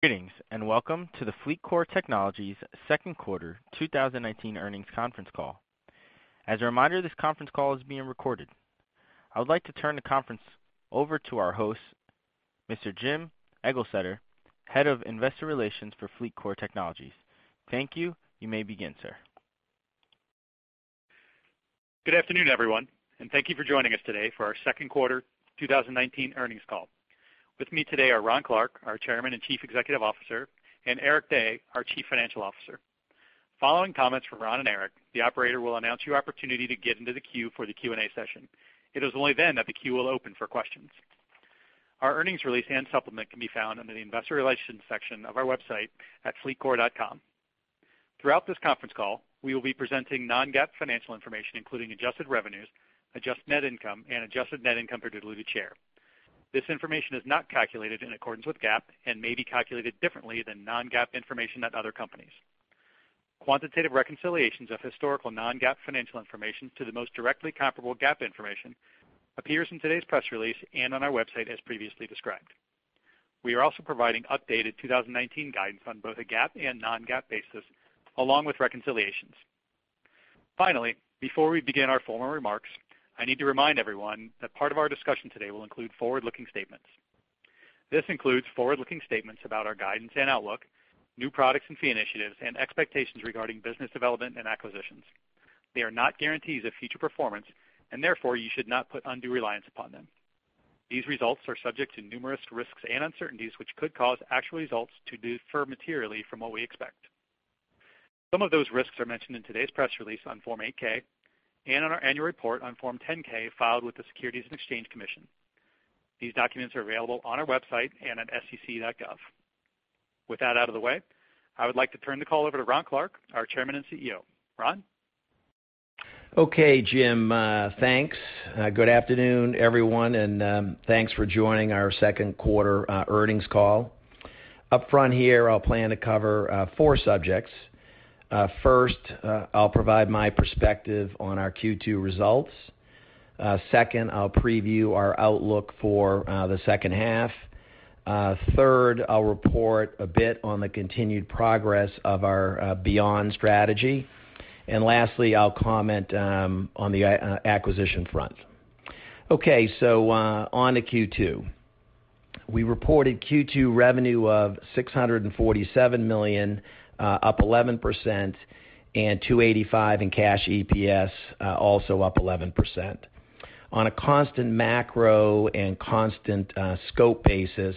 Greetings, welcome to the FleetCor Technologies second quarter 2019 earnings conference call. As a reminder, this conference call is being recorded. I would like to turn the conference over to our host, Mr. Jim Eglseder, Head of Investor Relations for FleetCor Technologies. Thank you. You may begin, sir. Good afternoon, everyone, and thank you for joining us today for our second quarter 2019 earnings call. With me today are Ron Clarke, our Chairman and Chief Executive Officer, and Eric Dey, our Chief Financial Officer. Following comments from Ron and Eric, the operator will announce your opportunity to get into the queue for the Q&A session. It is only then that the queue will open for questions. Our earnings release and supplement can be found under the investor relations section of our website at fleetcor.com. Throughout this conference call, we will be presenting non-GAAP financial information, including adjusted revenues, adjusted net income, and adjusted net income per diluted share. This information is not calculated in accordance with GAAP and may be calculated differently than non-GAAP information at other companies. Quantitative reconciliations of historical non-GAAP financial information to the most directly comparable GAAP information appears in today's press release and on our website as previously described. We are also providing updated 2019 guidance on both a GAAP and non-GAAP basis, along with reconciliations. Finally, before we begin our formal remarks, I need to remind everyone that part of our discussion today will include forward-looking statements. This includes forward-looking statements about our guidance and outlook, new products and fee initiatives, and expectations regarding business development and acquisitions. They are not guarantees of future performance, and therefore, you should not put undue reliance upon them. These results are subject to numerous risks and uncertainties, which could cause actual results to differ materially from what we expect. Some of those risks are mentioned in today's press release on Form 8-K and on our annual report on Form 10-K filed with the Securities and Exchange Commission. These documents are available on our website and at sec.gov. With that out of the way, I would like to turn the call over to Ron Clarke, our Chairman and CEO. Ron? Okay, Jim. Thanks. Good afternoon, everyone, and thanks for joining our second quarter earnings call. Upfront here, I'll plan to cover four subjects. First, I'll provide my perspective on our Q2 results. Second, I'll preview our outlook for the second half. Third, I'll report a bit on the continued progress of our Beyond strategy. Lastly, I'll comment on the acquisition front. Okay. On to Q2. We reported Q2 revenue of $647 million, up 11%, and $2.85 in cash EPS, also up 11%. On a constant macro and constant scope basis,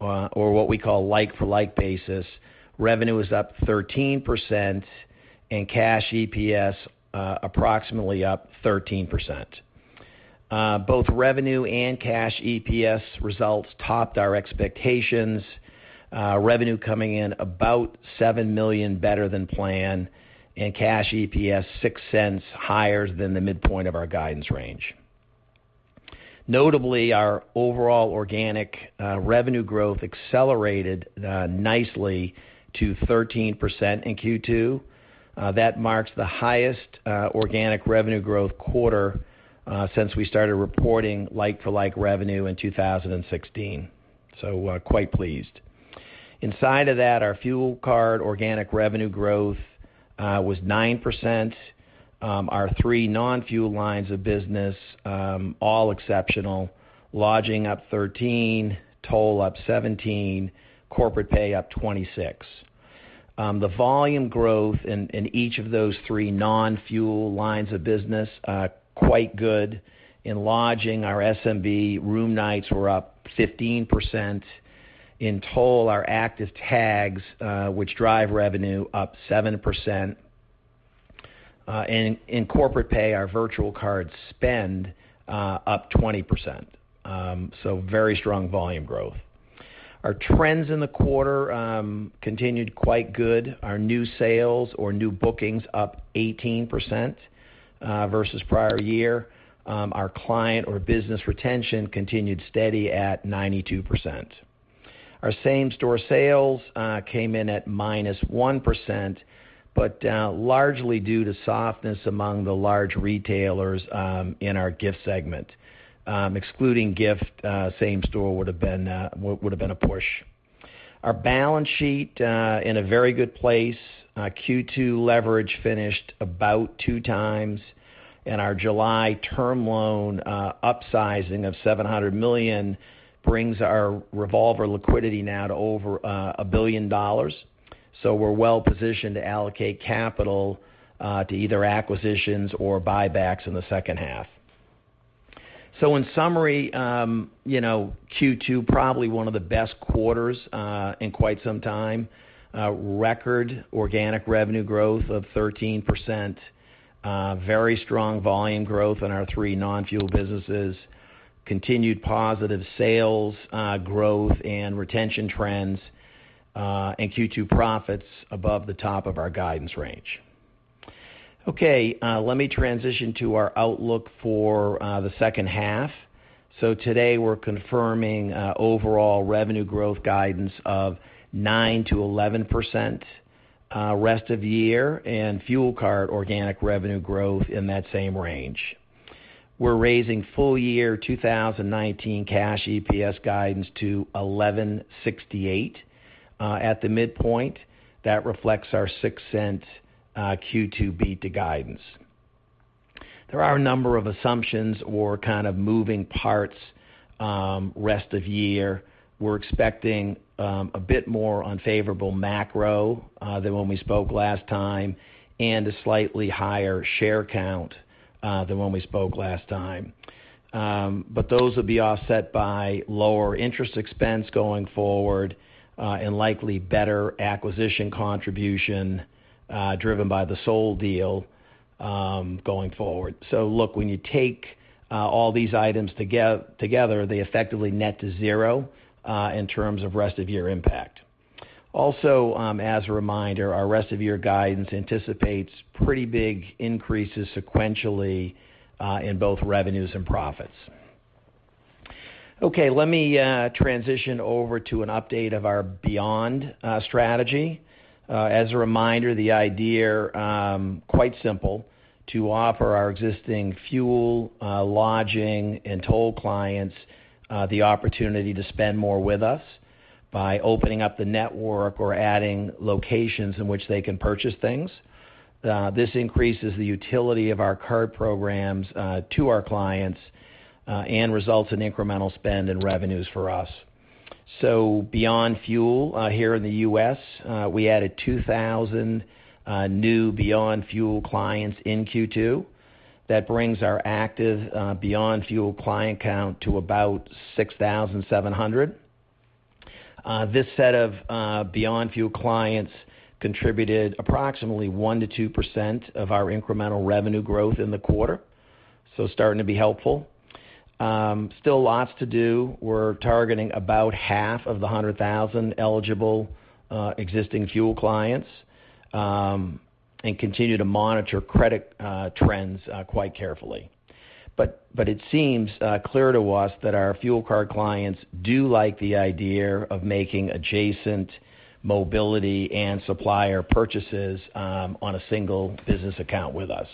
or what we call like-for-like basis, revenue is up 13% and cash EPS approximately up 13%. Both revenue and cash EPS results topped our expectations, revenue coming in about $7 million better than planned, and cash EPS $0.06 higher than the midpoint of our guidance range. Notably, our overall organic revenue growth accelerated nicely to 13% in Q2. That marks the highest organic revenue growth quarter since we started reporting like-for-like revenue in 2016. Quite pleased. Inside of that, our fuel card organic revenue growth was 9%. Our three non-fuel lines of business, all exceptional. Lodging up 13%, toll up 17%, corporate pay up 26%. The volume growth in each of those three non-fuel lines of business, quite good. In lodging, our SMB room nights were up 15%. In toll, our active tags, which drive revenue, up 7%. In corporate pay, our virtual card spend up 20%. Very strong volume growth. Our trends in the quarter continued quite good. Our new sales or new bookings up 18% versus prior year. Our client or business retention continued steady at 92%. Our same-store sales came in at -1%, largely due to softness among the large retailers in our gift segment. Excluding gift, same store would have been a push. Our balance sheet in a very good place. Q2 leverage finished about two times, our July term loan upsizing of $700 million brings our revolver liquidity now to over $1 billion. We're well-positioned to allocate capital to either acquisitions or buybacks in the second half. In summary, Q2 probably one of the best quarters in quite some time. Record organic revenue growth of 13%. Very strong volume growth in our three non-fuel businesses. Continued positive sales growth and retention trends, Q2 profits above the top of our guidance range. Let me transition to our outlook for the second half. Today, we're confirming overall revenue growth guidance of 9% to 11% rest of year, and fuel card organic revenue growth in that same range. We're raising full-year 2019 cash EPS guidance to $11.68 at the midpoint. That reflects our $0.06 Q2 beat to guidance. There are a number of assumptions or kind of moving parts rest of year. We're expecting a bit more unfavorable macro than when we spoke last time, and a slightly higher share count than when we spoke last time. Those will be offset by lower interest expense going forward, and likely better acquisition contribution driven by the Sole deal going forward. When you take all these items together, they effectively net to zero in terms of rest of year impact. Also, as a reminder, our rest of year guidance anticipates pretty big increases sequentially in both revenues and profits. Okay, let me transition over to an update of our Beyond strategy. As a reminder, the idea quite simple: to offer our existing fuel, lodging, and toll clients the opportunity to spend more with us by opening up the network or adding locations in which they can purchase things. This increases the utility of our card programs to our clients, and results in incremental spend and revenues for us. Beyond Fuel here in the U.S., we added 2,000 new Beyond Fuel clients in Q2. That brings our active Beyond Fuel client count to about 6,700. This set of Beyond Fuel clients contributed approximately 1%-2% of our incremental revenue growth in the quarter, starting to be helpful. Still lots to do. We're targeting about half of the 100,000 eligible existing fuel clients, and continue to monitor credit trends quite carefully. It seems clear to us that our fuel card clients do like the idea of making adjacent mobility and supplier purchases on a single business account with us.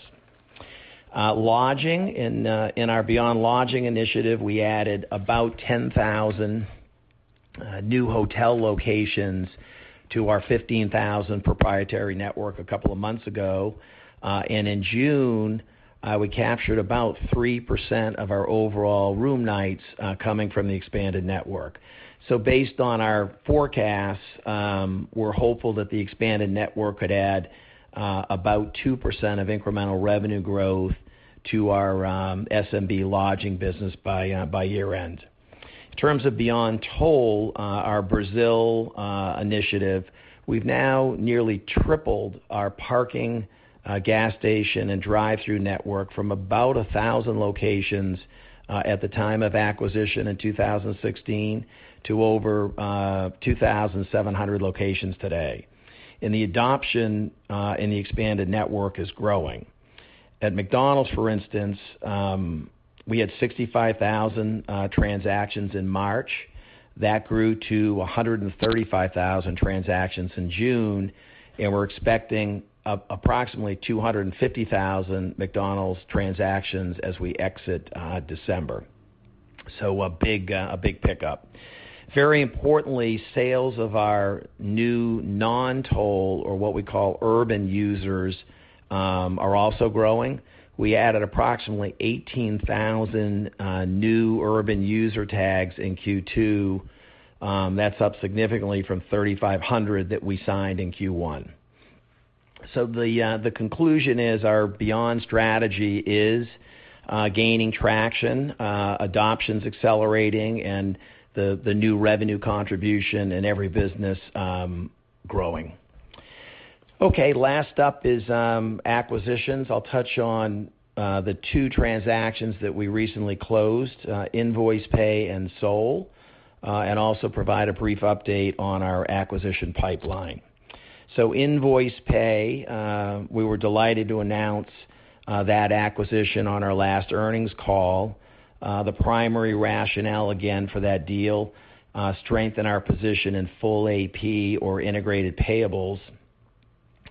Lodging. In our Beyond Lodging initiative, we added about 10,000 new hotel locations to our 15,000 proprietary network a couple of months ago. In June, we captured about 3% of our overall room nights coming from the expanded network. Based on our forecasts, we're hopeful that the expanded network could add about 2% of incremental revenue growth to our SMB lodging business by year end. In terms of Beyond Toll, our Brazil initiative, we've now nearly tripled our parking, gas station, and drive-thru network from about 1,000 locations at the time of acquisition in 2016 to over 2,700 locations today. The adoption in the expanded network is growing. At McDonald's, for instance, we had 65,000 transactions in March. That grew to 135,000 transactions in June, and we're expecting approximately 250,000 McDonald's transactions as we exit December. A big pickup. Very importantly, sales of our new non-toll, or what we call urban users, are also growing. We added approximately 18,000 new urban user tags in Q2. That's up significantly from 3,500 that we signed in Q1. The conclusion is our Beyond strategy is gaining traction, adoption's accelerating, and the new revenue contribution in every business growing. Last up is acquisitions. I'll touch on the two transactions that we recently closed, Nvoicepay and Sole, and also provide a brief update on our acquisition pipeline. Nvoicepay, we were delighted to announce that acquisition on our last earnings call. The primary rationale, again, for that deal, strengthen our position in full AP or integrated payables,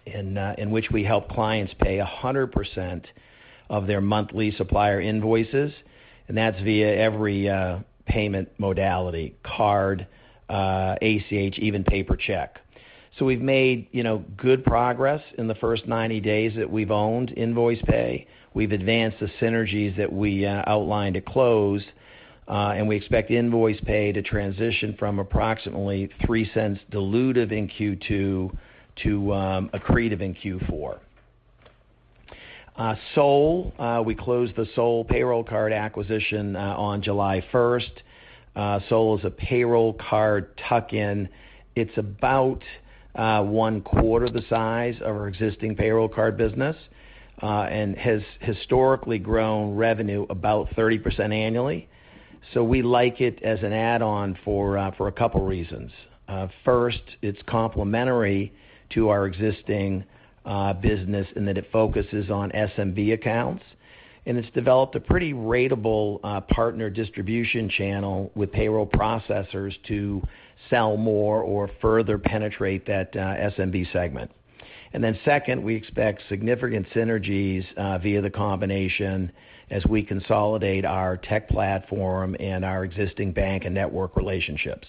in which we help clients pay 100% of their monthly supplier invoices, that's via every payment modality, card, ACH, even paper check. We've made good progress in the first 90 days that we've owned Nvoicepay. We've advanced the synergies that we outlined at close, we expect Nvoicepay to transition from approximately $0.03 dilutive in Q2 to accretive in Q4. Sole. We closed the Sole payroll card acquisition on July 1st. Sole is a payroll card tuck-in. It's about one quarter the size of our existing payroll card business, has historically grown revenue about 30% annually. We like it as an add-on for a couple of reasons. It's complementary to our existing business in that it focuses on SMB accounts, it's developed a pretty ratable partner distribution channel with payroll processors to sell more or further penetrate that SMB segment. We expect significant synergies via the combination as we consolidate our tech platform and our existing bank and network relationships.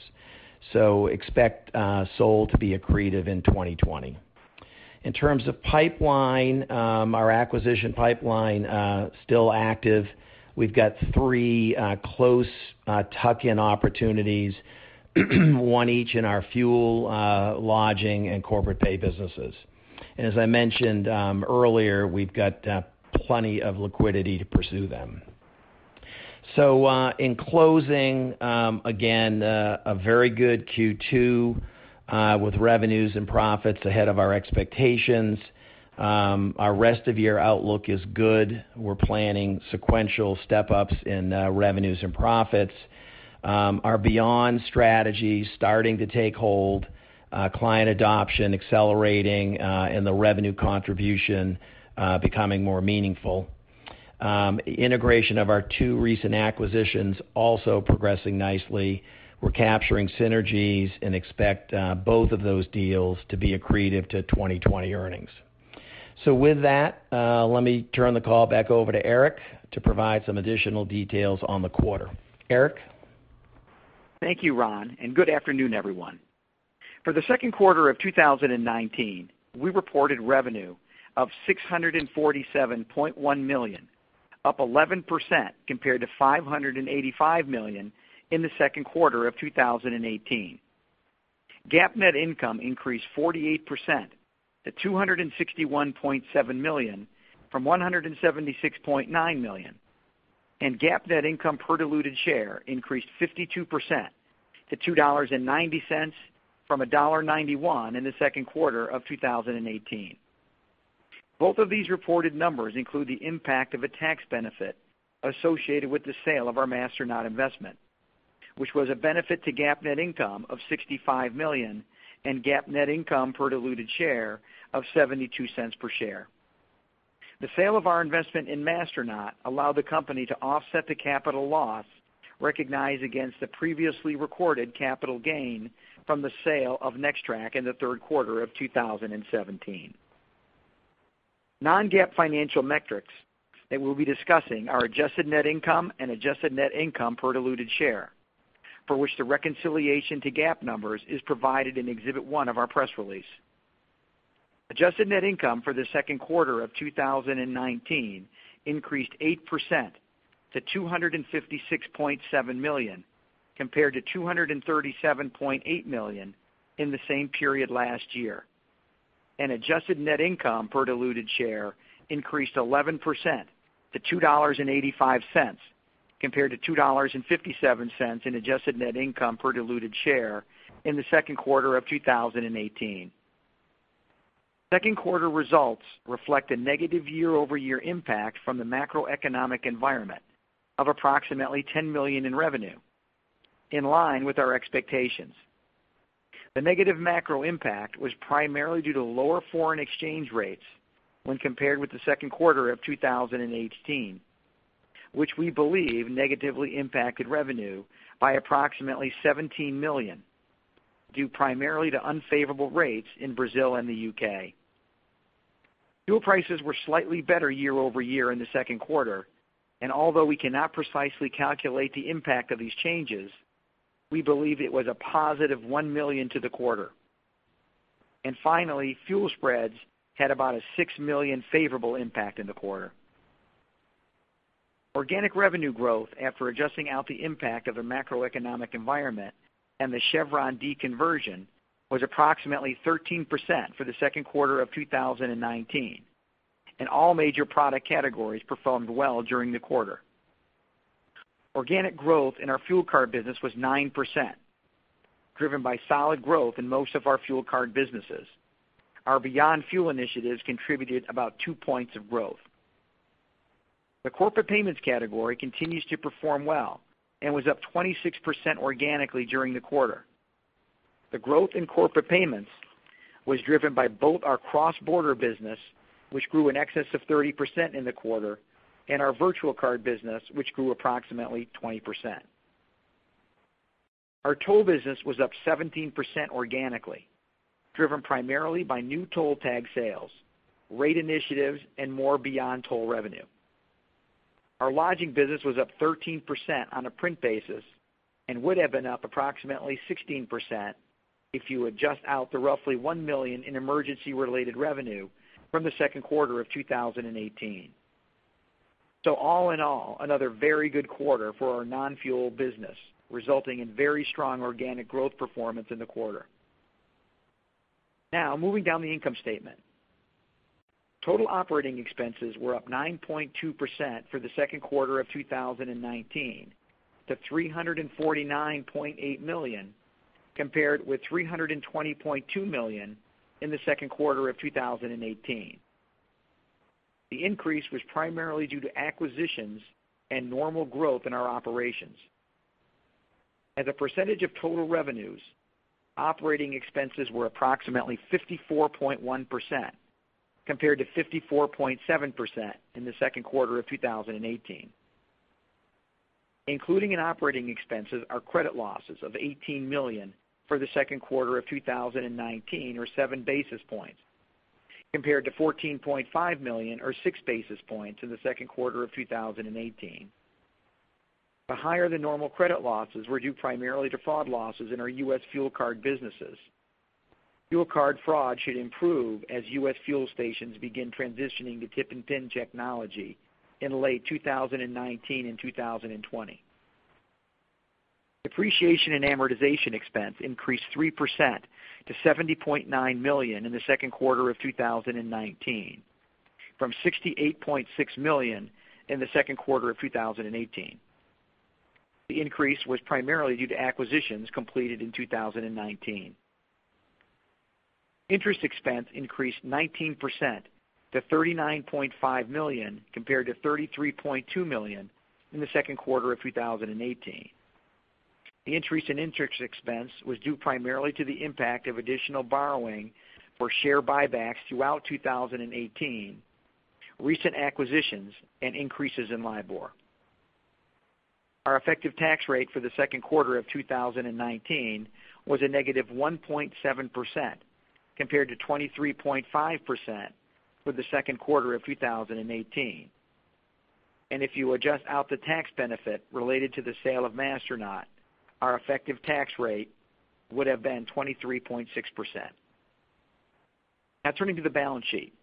Expect Sole to be accretive in 2020. In terms of pipeline, our acquisition pipeline is still active. We've got three close tuck-in opportunities, one each in our fuel, lodging, and corporate pay businesses. As I mentioned earlier, we've got plenty of liquidity to pursue them. In closing, again, a very good Q2 with revenues and profits ahead of our expectations. Our rest of year outlook is good. We're planning sequential step-ups in revenues and profits. Our Beyond strategy starting to take hold, client adoption accelerating, and the revenue contribution becoming more meaningful. Integration of our two recent acquisitions also progressing nicely. We're capturing synergies and expect both of those deals to be accretive to 2020 earnings. With that, let me turn the call back over to Eric Dey to provide some additional details on the quarter. Eric Dey? Thank you, Ron, and good afternoon, everyone. For the second quarter of 2019, we reported revenue of $647.1 million, up 11% compared to $585 million in the second quarter of 2018. GAAP net income increased 48% to $261.7 million from $176.9 million, and GAAP net income per diluted share increased 52% to $2.90 from $1.91 in the second quarter of 2018. Both of these reported numbers include the impact of a tax benefit associated with the sale of our Masternaut investment, which was a benefit to GAAP net income of $65 million and GAAP net income per diluted share of $0.72 per share. The sale of our investment in Masternaut allowed the company to offset the capital loss recognized against the previously recorded capital gain from the sale of NexTraq in the third quarter of 2017. Non-GAAP financial metrics that we'll be discussing are adjusted net income and adjusted net income per diluted share, for which the reconciliation to GAAP numbers is provided in Exhibit 1 of our press release. Adjusted net income for the second quarter of 2019 increased 8% to $256.7 million, compared to $237.8 million in the same period last year. Adjusted net income per diluted share increased 11% to $2.85 compared to $2.57 in adjusted net income per diluted share in the second quarter of 2018. Second quarter results reflect a negative year-over-year impact from the macroeconomic environment of approximately $10 million in revenue, in line with our expectations. The negative macro impact was primarily due to lower foreign exchange rates when compared with the second quarter of 2018, which we believe negatively impacted revenue by approximately $17 million, due primarily to unfavorable rates in Brazil and the U.K. Fuel prices were slightly better year-over-year in the second quarter. Although we cannot precisely calculate the impact of these changes, we believe it was a positive $1 million to the quarter. Finally, fuel spreads had about a $6 million favorable impact in the quarter. Organic revenue growth after adjusting out the impact of the macroeconomic environment and the Chevron deconversion was approximately 13% for the second quarter of 2019, and all major product categories performed well during the quarter. Organic growth in our fuel card business was 9%, driven by solid growth in most of our fuel card businesses. Our Beyond Fuel initiatives contributed about two points of growth. The corporate payments category continues to perform well and was up 26% organically during the quarter. The growth in corporate payments was driven by both our cross-border business, which grew in excess of 30% in the quarter, and our virtual card business, which grew approximately 20%. Our toll business was up 17% organically, driven primarily by new toll tag sales, rate initiatives, and more Beyond Toll revenue. Our lodging business was up 13% on a print basis and would have been up approximately 16% if you adjust out the roughly $1 million in emergency-related revenue from the second quarter of 2018. All in all, another very good quarter for our non-fuel business, resulting in very strong organic growth performance in the quarter. Moving down the income statement. Total operating expenses were up 9.2% for the second quarter of 2019 to $349.8 million, compared with $320.2 million in the second quarter of 2018. The increase was primarily due to acquisitions and normal growth in our operations. As a percentage of total revenues, operating expenses were approximately 54.1% compared to 54.7% in the second quarter of 2018. Included in operating expenses are credit losses of $18 million for the second quarter of 2019, or seven basis points, compared to $14.5 million, or six basis points in the second quarter of 2018. The higher-than-normal credit losses were due primarily to fraud losses in our U.S. fuel card businesses. Fuel card fraud should improve as U.S. fuel stations begin transitioning to chip and PIN technology in late 2019 and 2020. Depreciation and amortization expense increased 3% to $70.9 million in the second quarter of 2019, from $68.6 million in the second quarter of 2018. The increase was primarily due to acquisitions completed in 2019. Interest expense increased 19% to $39.5 million, compared to $33.2 million in the second quarter of 2018. The increase in interest expense was due primarily to the impact of additional borrowing for share buybacks throughout 2018, recent acquisitions, and increases in LIBOR. Our effective tax rate for the second quarter of 2019 was a negative 1.7%, compared to 23.5% for the second quarter of 2018. If you adjust out the tax benefit related to the sale of Masternaut, our effective tax rate would have been 23.6%. Now turning to the balance sheet.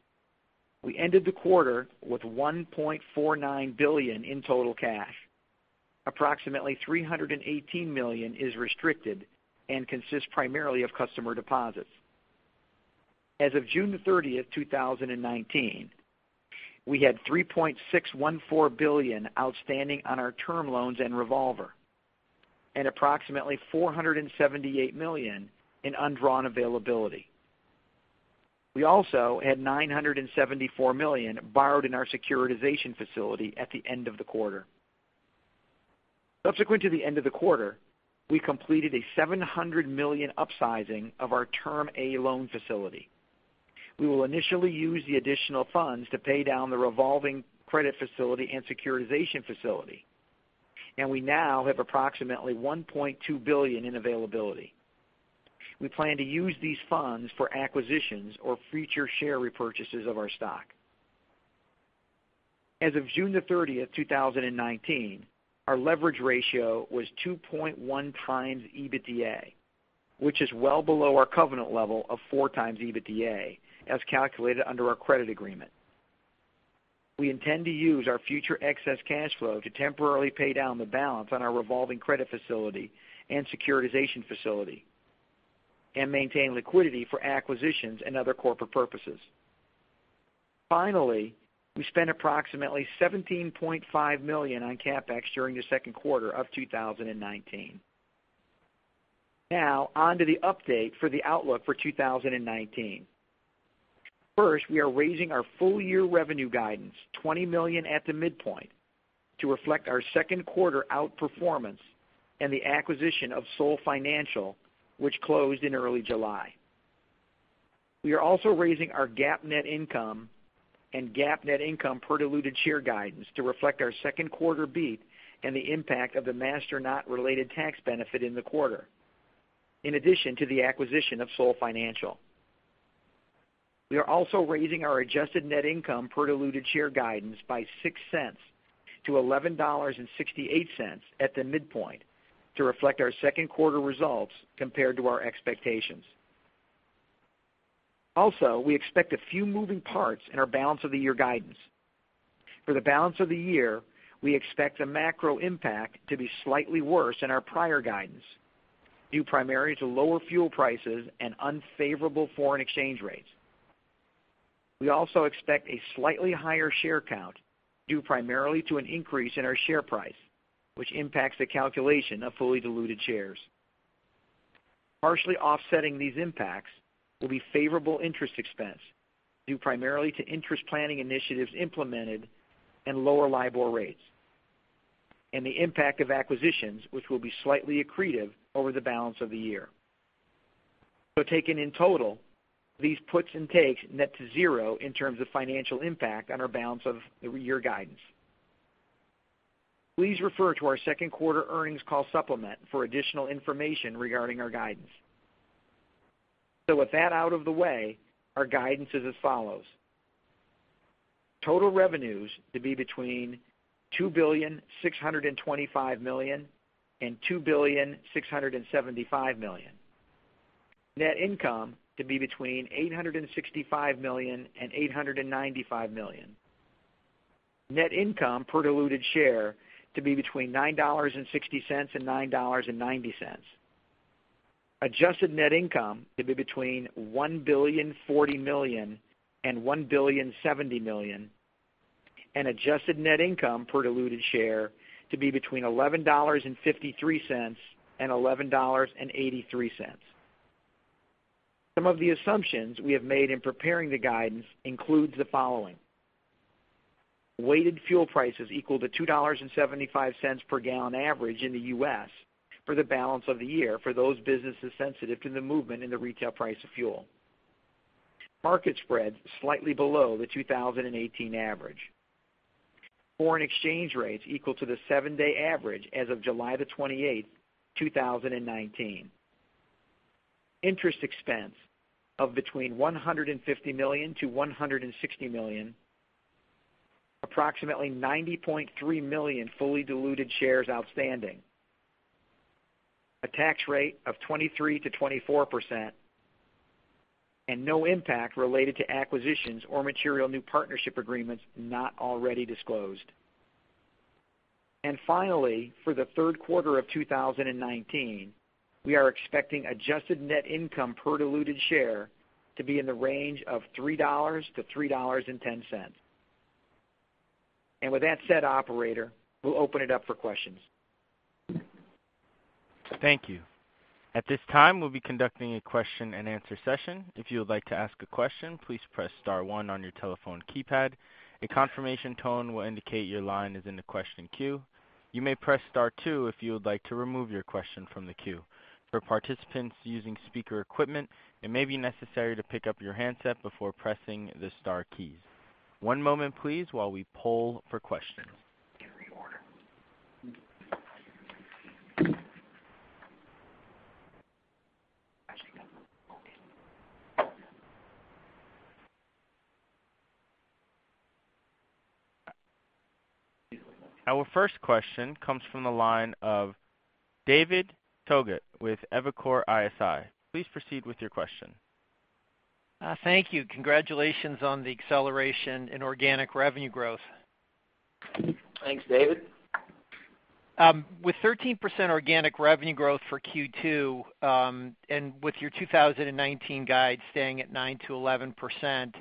We ended the quarter with $1.49 billion in total cash. Approximately $318 million is restricted and consists primarily of customer deposits. As of June 30th, 2019, we had $3.614 billion outstanding on our term loans and revolver, and approximately $478 million in undrawn availability. We also had $974 million borrowed in our securitization facility at the end of the quarter. Subsequent to the end of the quarter, we completed a $700 million upsizing of our Term A loan facility. We will initially use the additional funds to pay down the revolving credit facility and securitization facility, and we now have approximately $1.2 billion in availability. We plan to use these funds for acquisitions or future share repurchases of our stock. As of June 30th, 2019, our leverage ratio was 2.1 times EBITDA, which is well below our covenant level of four times EBITDA, as calculated under our credit agreement. We intend to use our future excess cash flow to temporarily pay down the balance on our revolving credit facility and securitization facility and maintain liquidity for acquisitions and other corporate purposes. We spent approximately $17.5 million on CapEx during the second quarter of 2019. Onto the update for the outlook for 2019. We are raising our full-year revenue guidance $20 million at the midpoint to reflect our second quarter outperformance and the acquisition of Sole Financial, which closed in early July. We are also raising our GAAP net income and GAAP net income per diluted share guidance to reflect our second quarter beat and the impact of the Masternaut-related tax benefit in the quarter, in addition to the acquisition of Sole Financial. We are also raising our adjusted net income per diluted share guidance by $0.06 to $11.68 at the midpoint to reflect our second quarter results compared to our expectations. We expect a few moving parts in our balance of the year guidance. For the balance of the year, we expect the macro impact to be slightly worse than our prior guidance due primarily to lower fuel prices and unfavorable foreign exchange rates. We also expect a slightly higher share count due primarily to an increase in our share price, which impacts the calculation of fully diluted shares. Partially offsetting these impacts will be favorable interest expense, due primarily to interest planning initiatives implemented and lower LIBOR rates, and the impact of acquisitions, which will be slightly accretive over the balance of the year. Taken in total, these puts and takes net to zero in terms of financial impact on our balance of the year guidance. Please refer to our second quarter earnings call supplement for additional information regarding our guidance. With that out of the way, our guidance is as follows. Total revenues to be between $2,625 million and $2,675 million. Net income to be between $865 million and $895 million. Net income per diluted share to be between $9.60 and $9.90. Adjusted net income to be between $1,040 million and $1,070 million. Adjusted net income per diluted share to be between $11.53 and $11.83. Some of the assumptions we have made in preparing the guidance includes the following. Weighted fuel prices equal to $2.75 per gallon average in the U.S. for the balance of the year for those businesses sensitive to the movement in the retail price of fuel. Market spreads slightly below the 2018 average. Foreign exchange rates equal to the 7-day average as of July 28th, 2019. Interest expense of $150 million-$160 million, approximately 90.3 million fully diluted shares outstanding, a tax rate of 23%-24%, and no impact related to acquisitions or material new partnership agreements not already disclosed. Finally, for the third quarter of 2019, we are expecting adjusted net income per diluted share to be in the range of $3-$3.10. With that said, operator, we'll open it up for questions. Thank you. At this time, we'll be conducting a question and answer session. If you would like to ask a question, please press star one on your telephone keypad. A confirmation tone will indicate your line is in the question queue. You may press star two if you would like to remove your question from the queue. For participants using speaker equipment, it may be necessary to pick up your handset before pressing the star keys. One moment please, while we poll for questions. Our first question comes from the line of David Togut with Evercore ISI. Please proceed with your question. Thank you. Congratulations on the acceleration in organic revenue growth. Thanks, David. With 13% organic revenue growth for Q2, and with your 2019 guide staying at 9%-11%,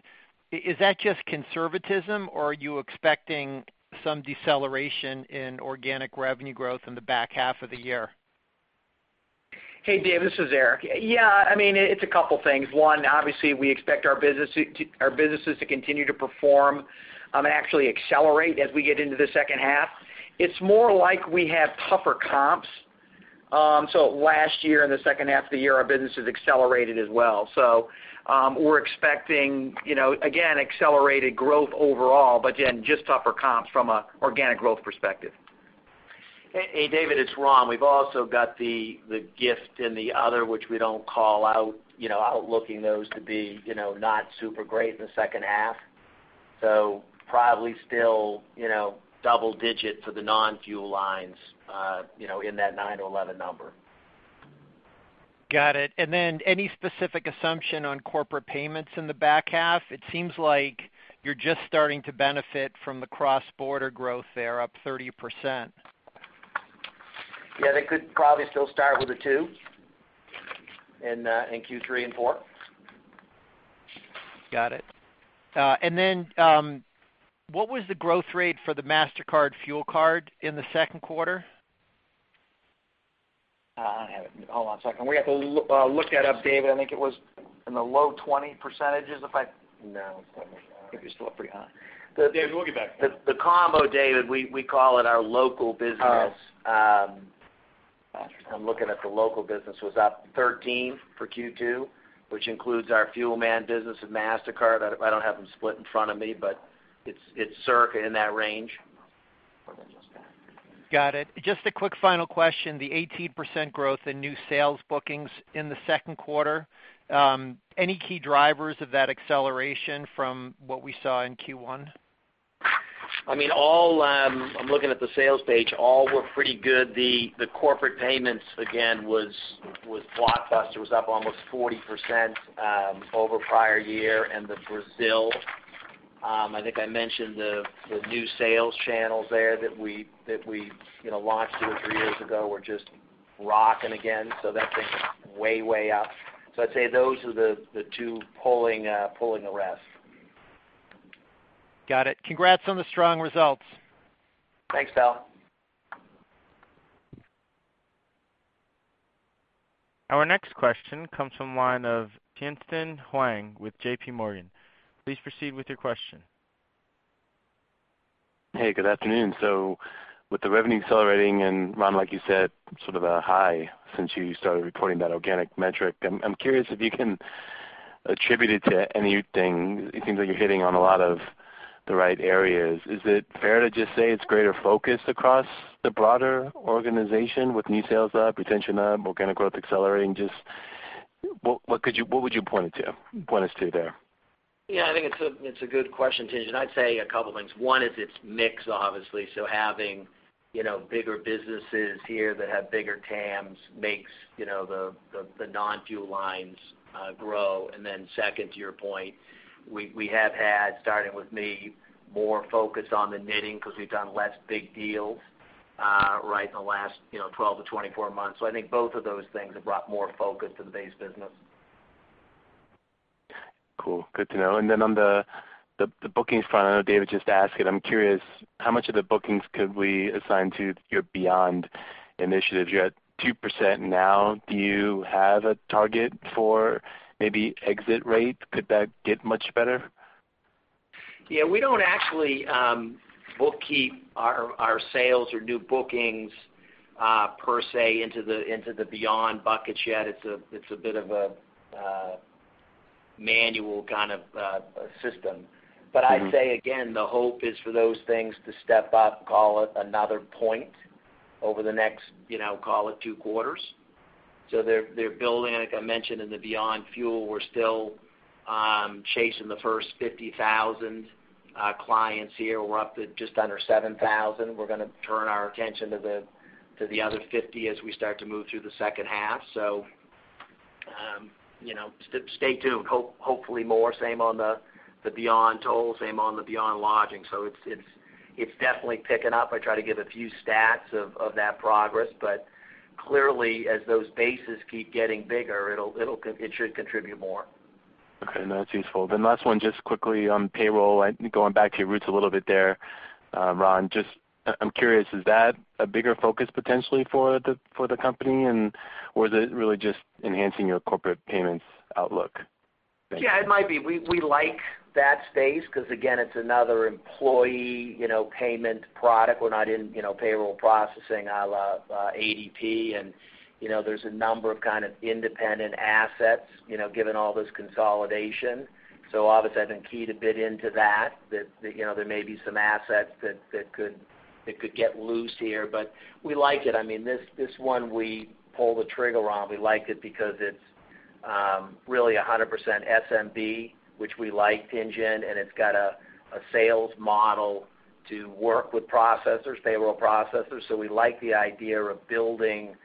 is that just conservatism or are you expecting some deceleration in organic revenue growth in the back half of the year? Hey, Dave, this is Eric. Yeah, it's a couple things. One, obviously, we expect our businesses to continue to perform and actually accelerate as we get into the second half. It's more like we have tougher comps. Last year, in the second half of the year, our business has accelerated as well. We're expecting, again, accelerated growth overall, but again, just tougher comps from an organic growth perspective. Hey, David, it's Ron. We've also got the gift and the other, which we don't call out, outlooking those to be not super great in the second half. Probably still double digit for the non-fuel lines in that 9-11 number. Got it. Any specific assumption on corporate payments in the back half? It seems like you're just starting to benefit from the cross-border growth there, up 30%. Yeah, they could probably still start with a two in Q3 and four. Got it. Then, what was the growth rate for the Mastercard fuel card in the second quarter? I don't have it. Hold on one second. We have to look that up, David. I think it was in the low 20%, if I No, it's definitely higher. It was still pretty high. David, we'll get back to you. The combo, David, we call it our local business. I'm looking at the local business, was up 13 for Q2, which includes our Fuelman business with Mastercard. I don't have them split in front of me, but it's circa in that range. Got it. Just a quick final question. The 18% growth in new sales bookings in the second quarter, any key drivers of that acceleration from what we saw in Q1? I'm looking at the sales page. All were pretty good. The corporate payments, again, was blockbuster, was up almost 40% over prior year. The Brazil, I think I mentioned the new sales channels there that we launched two or three years ago, were just rocking again. That's been way up. I'd say those are the two pulling the rest. Got it. Congrats on the strong results. Thanks, pal. Our next question comes from the line of Tien-Tsin Huang with J.P. Morgan. Please proceed with your question. Hey, good afternoon. With the revenue accelerating, and Ron Clarke, like you said, sort of a high since you started reporting that organic metric, I'm curious if you can attribute it to anything. It seems like you're hitting on a lot of the right areas. Is it fair to just say it's greater focus across the broader organization with new sales up, retention up, organic growth accelerating? Just what would you point us to there? Yeah, I think it's a good question, Tien-Tsin. I'd say a couple things. One is it's mix, obviously. Having bigger businesses here that have bigger TAMs makes the non-fuel lines grow. Second to your point, we have had, starting with me, more focus on the knitting because we've done less big deals right in the last 12-24 months. I think both of those things have brought more focus to the base business. Cool. Good to know. On the bookings front, I know David just asked it, I'm curious how much of the bookings could we assign to your Beyond initiatives? You had 2% now. Do you have a target for maybe exit rate? Could that get much better? Yeah, we don't actually bookkeep our sales or new bookings per se into the Beyond bucket yet. Manual kind of system. I'd say again, the hope is for those things to step up, call it another point over the next call it two quarters. They're building, like I mentioned, in the Beyond Fuel, we're still chasing the first 50,000 clients here. We're up to just under 7,000. We're going to turn our attention to the other 50 as we start to move through the second half. Stay tuned. Hopefully more, same on the Beyond Toll, same on the Beyond Lodging. It's definitely picking up. I try to give a few stats of that progress, clearly as those bases keep getting bigger, it should contribute more. Okay. No, that's useful. Last one, just quickly on payroll, going back to your roots a little bit there, Ron. I'm curious, is that a bigger focus potentially for the company? And or is it really just enhancing your corporate payments outlook? Yeah, it might be. We like that space because, again, it's another employee payment product. We're not in payroll processing a la ADP. There's a number of kind of independent assets, given all this consolidation. Obviously I've been keyed a bit into that there may be some assets that could get loose here. We like it. This one we pulled the trigger on. We liked it because it's really 100% SMB, which we like, Tien-Tsin. It's got a sales model to work with processors, payroll processors. We like the idea of building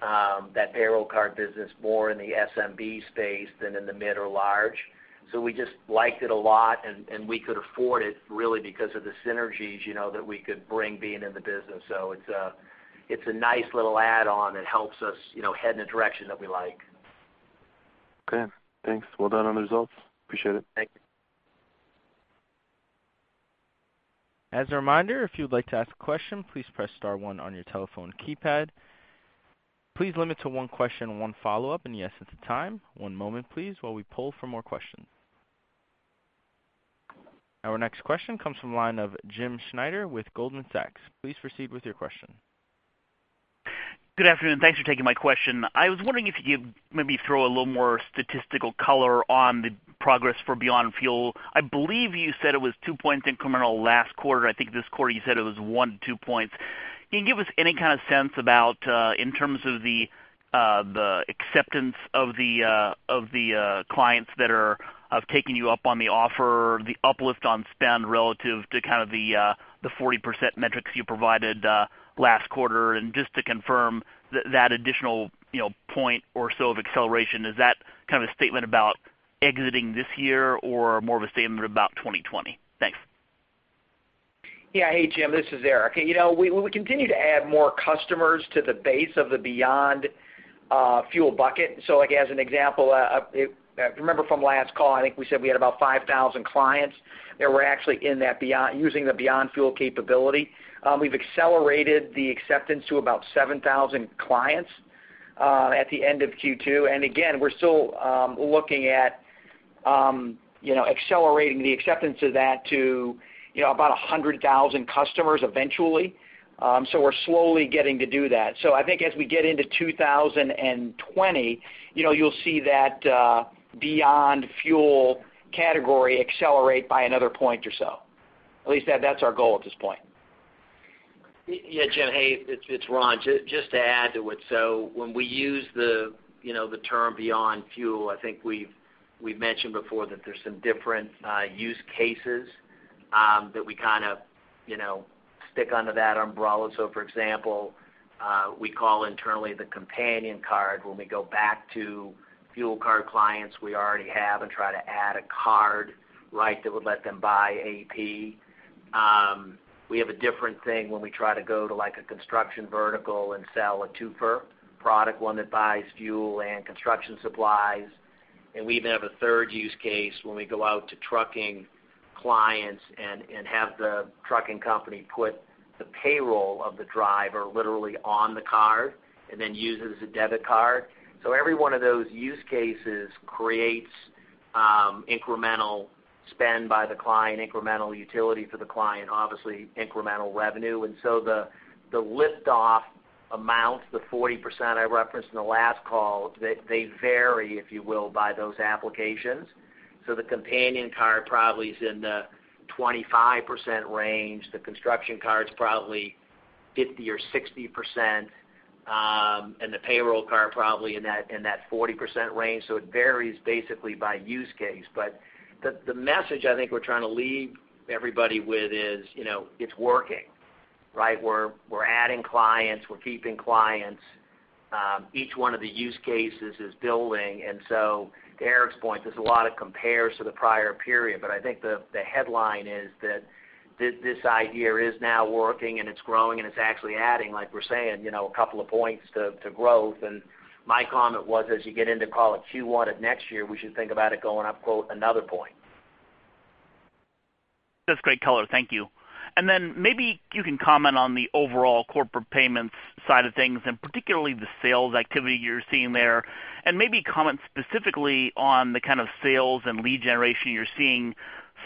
that payroll card business more in the SMB space than in the mid or large. We just liked it a lot. We could afford it really because of the synergies that we could bring being in the business. It's a nice little add-on that helps us head in a direction that we like. Okay, thanks. Well done on the results. Appreciate it. Thank you. As a reminder, if you would like to ask a question, please press star one on your telephone keypad. Please limit to one question and one follow-up. One moment, please, while we pull for more questions. Our next question comes from the line of James Schneider with Goldman Sachs. Please proceed with your question. Good afternoon. Thanks for taking my question. I was wondering if you could maybe throw a little more statistical color on the progress for Beyond Fuel. I believe you said it was two points incremental last quarter. I think this quarter you said it was one to two points. Can you give us any kind of sense about, in terms of the acceptance of the clients that are of taking you up on the offer, the uplift on spend relative to kind of the 40% metrics you provided last quarter, and just to confirm that additional point or so of acceleration, is that kind of a statement about exiting this year or more of a statement about 2020? Thanks. Yeah. Hey, Jim. This is Eric. We continue to add more customers to the base of the Beyond Fuel bucket. Like as an example, if you remember from last call, I think we said we had about 5,000 clients that were actually using the Beyond Fuel capability. We've accelerated the acceptance to about 7,000 clients at the end of Q2. Again, we're still looking at accelerating the acceptance of that to about 100,000 customers eventually. We're slowly getting to do that. I think as we get into 2020, you'll see that Beyond Fuel category accelerate by another point or so. At least that's our goal at this point. Yeah, Jim. Hey, it's Ron. Just to add to it, when we use the term Beyond Fuel, I think we've mentioned before that there's some different use cases that we kind of stick under that umbrella. For example, we call internally the Companion Card when we go back to fuel card clients we already have and try to add a card that would let them buy AP. We have a different thing when we try to go to a construction vertical and sell a twofer product, one that buys fuel and construction supplies. We even have a third use case when we go out to trucking clients and have the trucking company put the payroll of the driver literally on the card, and then use it as a debit card. Every one of those use cases creates incremental spend by the client, incremental utility for the client, obviously incremental revenue. The liftoff amounts, the 40% I referenced in the last call, they vary, if you will, by those applications. The Companion Card probably is in the 25% range, the construction card's probably 50% or 60%, and the payroll card probably in that 40% range. It varies basically by use case. The message I think we're trying to leave everybody with is it's working. We're adding clients, we're keeping clients. Each one of the use cases is building, to Eric's point, there's a lot of compares to the prior period. I think the headline is that this idea is now working, and it's growing, and it's actually adding, like we're saying, a couple of points to growth. My comment was, as you get into call it Q1 of next year, we should think about it going up, quote, another point. That's great color. Thank you. Maybe you can comment on the overall corporate payments side of things, and particularly the sales activity you're seeing there, and maybe comment specifically on the kind of sales and lead generation you're seeing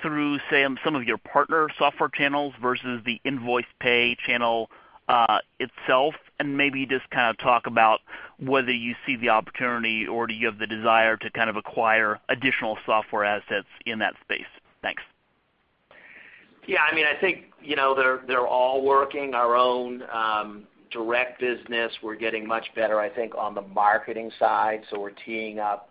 through, say, some of your partner software channels versus the Nvoicepay channel itself? Maybe just talk about whether you see the opportunity or do you have the desire to acquire additional software assets in that space? Thanks. Yeah, I think they're all working our own direct business. We're getting much better, I think, on the marketing side. We're teeing up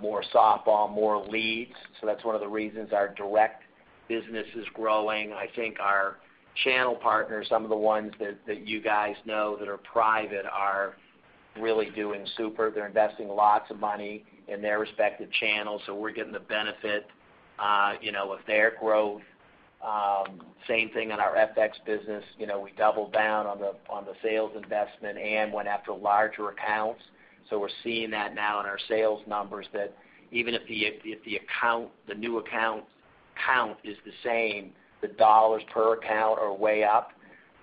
more softball, more leads. That's one of the reasons our direct business is growing. I think our channel partners, some of the ones that you guys know that are private, are really doing super. They're investing lots of money in their respective channels, so we're getting the benefit of their growth. Same thing on our FX business. We doubled down on the sales investment and went after larger accounts. We're seeing that now in our sales numbers, that even if the new account count is the same, the dollars per account are way up.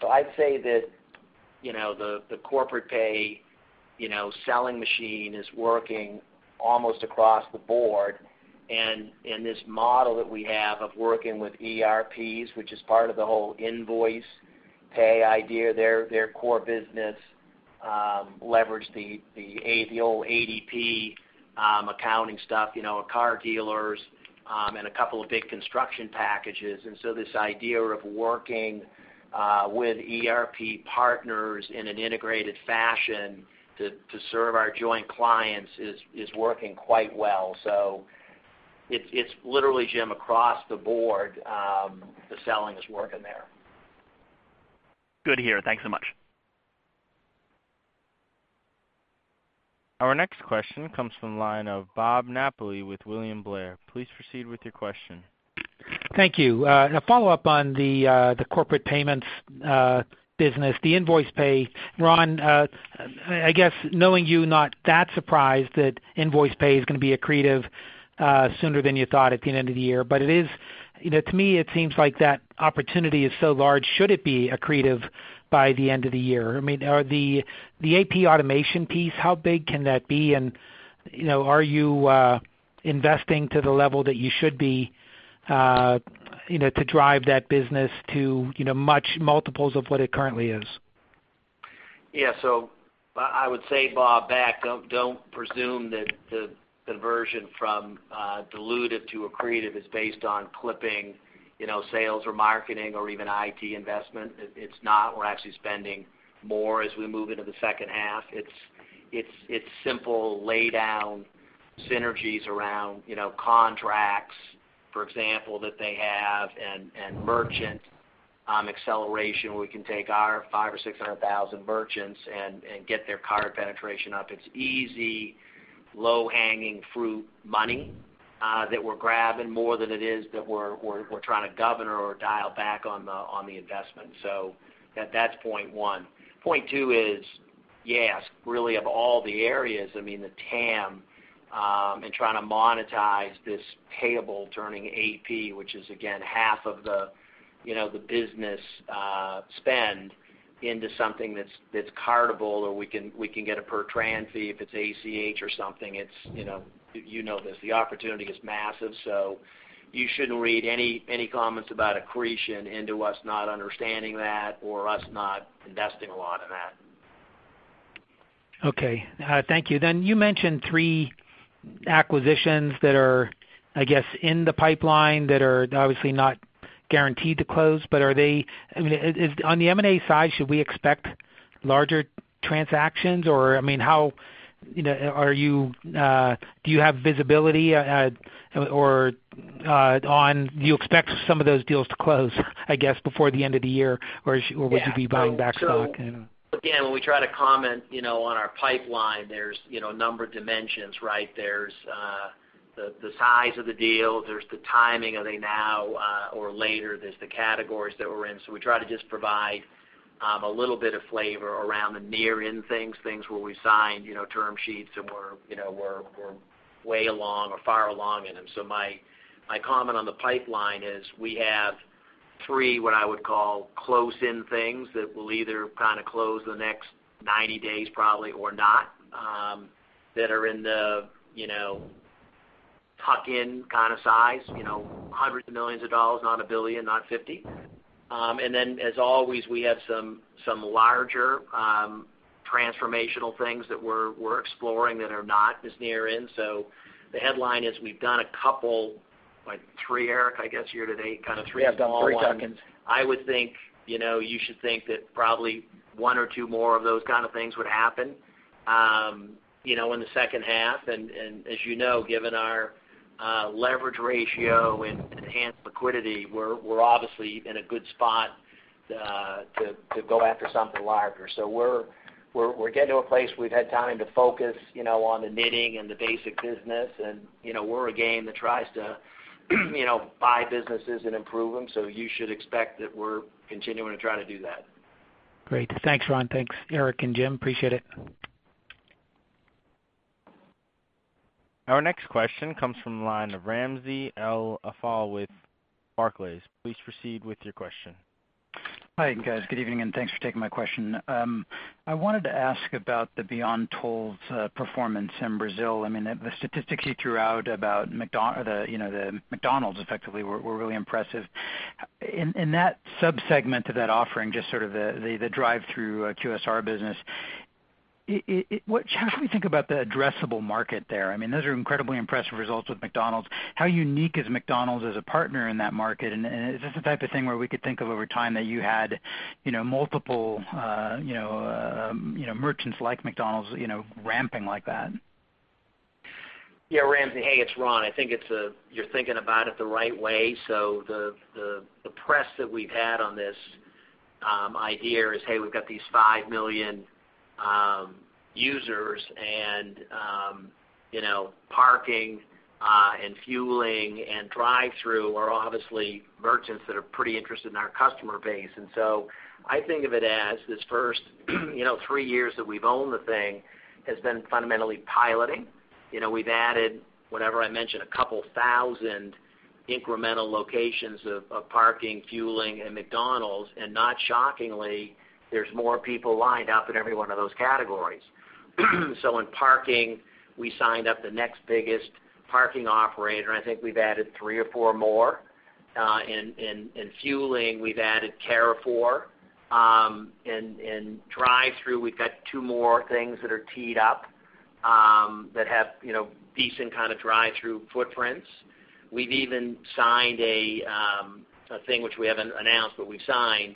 I'd say that the Corpay selling machine is working almost across the board. This model that we have of working with ERPs, which is part of the whole Nvoicepay idea, their core business, leverage the old ADP accounting stuff, car dealers, and a couple of big construction packages. This idea of working with ERP partners in an integrated fashion to serve our joint clients is working quite well. It's literally, Jim, across the board, the selling is working there. Good to hear. Thanks so much. Our next question comes from the line of Robert Napoli with William Blair. Please proceed with your question. Thank you. A follow-up on the corporate payments business, the Nvoicepay. Ron, I guess knowing you, not that surprised that Nvoicepay is going to be accretive sooner than you thought at the end of the year. To me, it seems like that opportunity is so large. Should it be accretive by the end of the year? The AP automation piece, how big can that be, and are you investing to the level that you should be to drive that business to multiples of what it currently is? Yeah. I would say, Bob, back. Don't presume that the conversion from dilutive to accretive is based on clipping sales or marketing or even IT investment. It's not. We're actually spending more as we move into the second half. It's simple lay-down synergies around contracts, for example, that they have and merchant acceleration where we can take our 500,000 or 600,000 merchants and get their card penetration up. It's easy, low-hanging fruit money that we're grabbing more than it is that we're trying to govern or dial back on the investment. That's point 1. Point 2 is, yes, really of all the areas, the TAM and trying to monetize this payable turning AP, which is again half of the business spend into something that's cardable or we can get a per tran fee if it's ACH or something. You know this. The opportunity is massive. You shouldn't read any comments about accretion into us not understanding that or us not investing a lot in that. Okay. Thank you. You mentioned three acquisitions that are, I guess, in the pipeline that are obviously not guaranteed to close, but on the M&A side, should we expect larger transactions or do you have visibility, or do you expect some of those deals to close, I guess, before the end of the year? Would you be buying back stock? When we try to comment on our pipeline, there's a number of dimensions, right? There's the size of the deal, there's the timing, are they now or later? There's the categories that we're in. We try to just provide a little bit of flavor around the near-in things where we've signed term sheets and we're way along or far along in them. My comment on the pipeline is we have 3, what I would call close-in things that will either close in the next 90 days probably or not, that are in the tuck-in kind of size, $hundreds of millions, not $1 billion, not $50. As always, we have some larger transformational things that we're exploring that are not as near in. The headline is we've done a couple, like three, Eric, I guess year to date, kind of three small ones. Yeah, three tuck-ins. I would think you should think that probably one or two more of those kind of things would happen in the second half. As you know, given our leverage ratio and enhanced liquidity, we're obviously in a good spot to go after something larger. We're getting to a place we've had time to focus on the knitting and the basic business, and we're a game that tries to buy businesses and improve them. You should expect that we're continuing to try to do that. Great. Thanks, Ron. Thanks, Eric and Jim. Appreciate it. Our next question comes from the line of Ramsey El-Assal with Barclays. Please proceed with your question. Hi guys. Good evening, thanks for taking my question. I wanted to ask about the Beyond Toll's performance in Brazil. The statistics you threw out about McDonald's effectively were really impressive. In that sub-segment of that offering, just sort of the drive-through QSR business, how should we think about the addressable market there? Those are incredibly impressive results with McDonald's. How unique is McDonald's as a partner in that market? Is this the type of thing where we could think of over time that you had multiple merchants like McDonald's ramping like that? Ramsey, it's Ron. I think you're thinking about it the right way. The press that we've had on this idea is, we've got these 5 million users and parking and fueling and drive-through are obviously merchants that are pretty interested in our customer base. I think of it as this first three years that we've owned the thing has been fundamentally piloting. We've added a couple thousand incremental locations of parking, fueling, and McDonald's, and not shockingly, there's more people lined up in every one of those categories. In parking, we signed up the next biggest parking operator, and I think we've added three or four more. In fueling, we've added Carrefour. In drive-through, we've got two more things that are teed up that have decent kind of drive-through footprints. We've even signed a thing which we haven't announced, but we've signed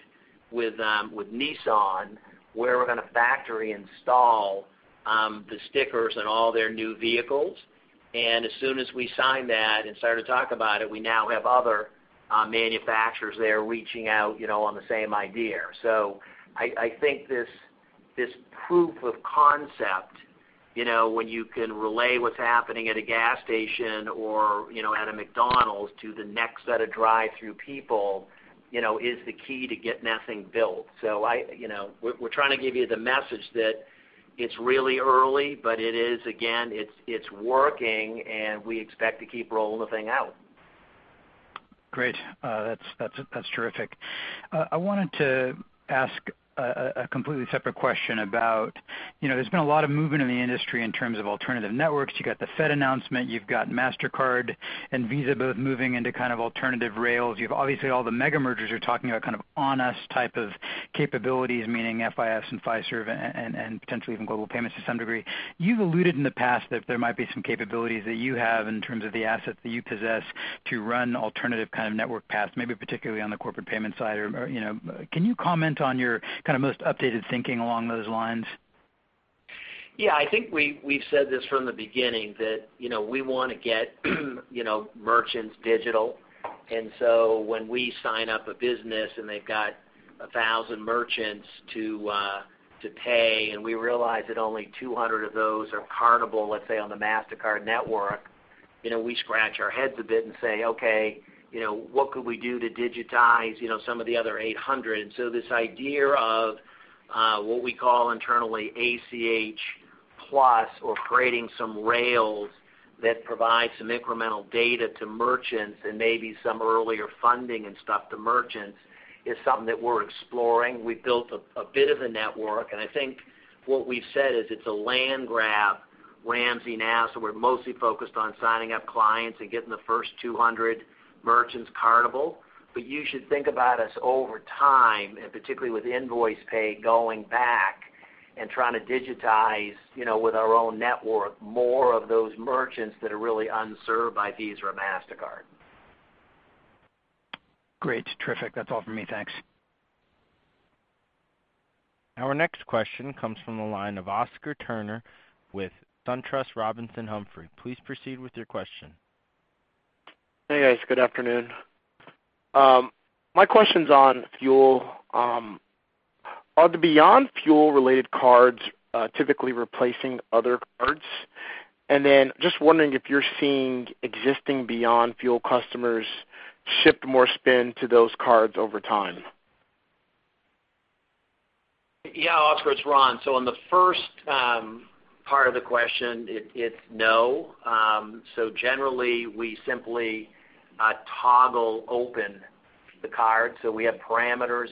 with Nissan, where we're going to factory install the stickers on all their new vehicles. As soon as we sign that and start to talk about it, we now have other manufacturers there reaching out on the same idea. I think this proof of concept when you can relay what's happening at a gas station or at a McDonald's to the next set of drive-through people is the key to get nothing built. We're trying to give you the message that it's really early, but it is, again, it's working, and we expect to keep rolling the thing out. Great. That's terrific. I wanted to ask a completely separate question about how there's been a lot of movement in the industry in terms of alternative networks. You've got the Fed announcement, you've got Mastercard and Visa both moving into kind of alternative rails. You have obviously all the mega mergers you're talking about kind of on us type of capabilities, meaning FIS and Fiserv and potentially even Global Payments to some degree. You've alluded in the past that there might be some capabilities that you have in terms of the assets that you possess to run alternative kind of network paths, maybe particularly on the corporate payment side. Can you comment on your kind of most updated thinking along those lines? Yeah, I think we've said this from the beginning that we want to get merchants digital. When we sign up a business and they've got 1,000 merchants to pay, and we realize that only 200 of those are cardable, let's say, on the Mastercard network, we scratch our heads a bit and say, "Okay, what could we do to digitize some of the other 800?" This idea of what we call internally ACH Plus or creating some rails that provide some incremental data to merchants and maybe some earlier funding and stuff to merchants is something that we're exploring. We've built a bit of a network, and I think what we've said is it's a land grab, Ramsey, now. We're mostly focused on signing up clients and getting the first 200 merchants cardable. You should think about us over time, and particularly with Nvoicepay going back and trying to digitize with our own network more of those merchants that are really unserved by Visa or Mastercard. Great, terrific. That's all for me. Thanks. Our next question comes from the line of Andrew Jeffrey with SunTrust Robinson Humphrey. Please proceed with your question. Hey, guys. Good afternoon. My question's on fuel. Are the Beyond Fuel related cards typically replacing other cards? Just wondering if you're seeing existing Beyond Fuel customers shift more spend to those cards over time. Andrew, it's Ron. On the first part of the question, it's no. Generally we simply toggle open the card. We have parameters,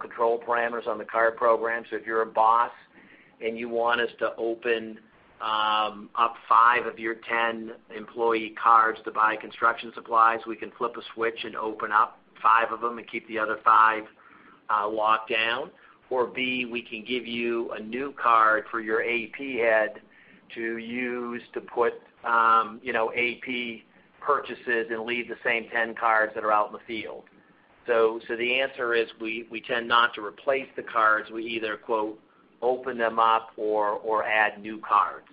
control parameters on the card program. If you're a boss and you want us to open up five of your 10 employee cards to buy construction supplies, we can flip a switch and open up five of them and keep the other five locked down. B, we can give you a new card for your AP head to use to put AP purchases and leave the same 10 cards that are out in the field. The answer is we tend not to replace the cards. We either "open them up" or add new cards.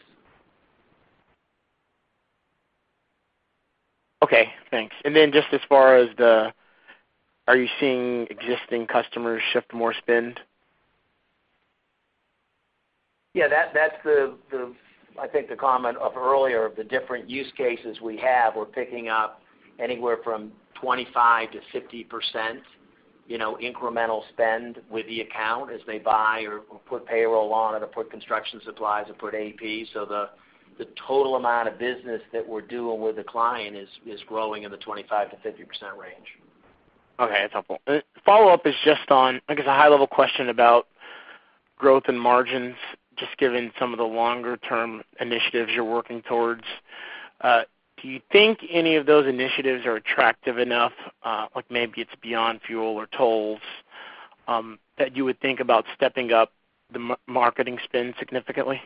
Okay, thanks. Then just as far as are you seeing existing customers shift more spend? Yeah, that's I think the comment of earlier of the different use cases we have. We're picking up anywhere from 25%-50% incremental spend with the account as they buy or put payroll on or to put construction supplies or put AP. The total amount of business that we're doing with the client is growing in the 25%-50% range. Okay. That's helpful. Follow-up is just on, I guess, a high-level question about growth and margins, just given some of the longer-term initiatives you're working towards. Do you think any of those initiatives are attractive enough, like maybe it's Beyond Fuel or Beyond Toll, that you would think about stepping up the marketing spend significantly?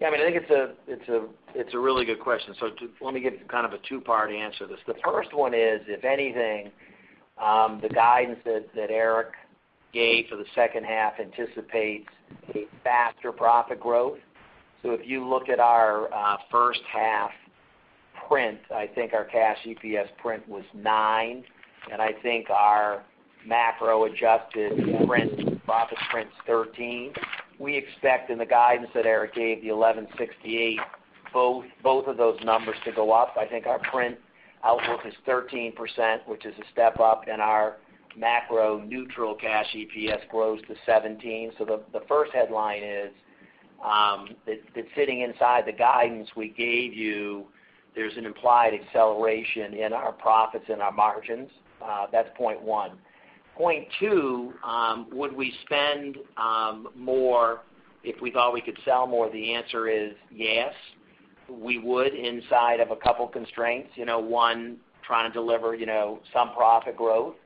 Yeah, I think it's a really good question. Let me give you a two-part answer to this. The first one is, if anything, the guidance that Eric gave for the second half anticipates a faster profit growth. If you look at our first-half print, I think our cash EPS print was nine, and I think our macro-adjusted profit print's 13. We expect in the guidance that Eric gave, the 1168, both of those numbers to go up. I think our print outlook is 13%, which is a step up, and our macro neutral cash EPS grows to 17. The first headline is that sitting inside the guidance we gave you, there's an implied acceleration in our profits and our margins. That's point one. Point two, would we spend more if we thought we could sell more? The answer is yes. We would inside of a couple constraints. One, trying to deliver some profit growth,